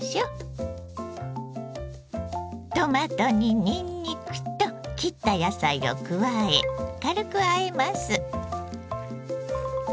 トマトににんにくと切った野菜を加え軽くあえます。